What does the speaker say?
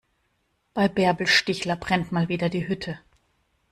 Bei Bärbel Stichler brennt mal wieder die Hütte.